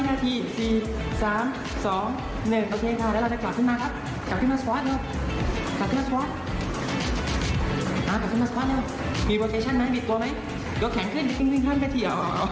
กลับขึ้นมาสวอสเลย